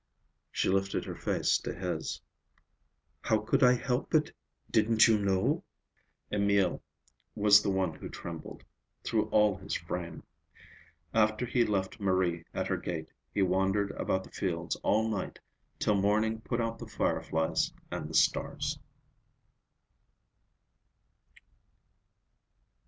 She lifted her face to his. "How could I help it? Didn't you know?" Emil was the one who trembled, through all his frame. After he left Marie at her gate, he wandered about the fields all night, till morning put out the fireflies and the stars.